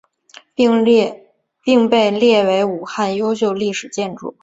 并被列为武汉优秀历史建筑。